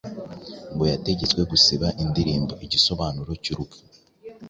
Ngo yategetswe gusiba indirimbo 'Igisobanuro cy'urupfu'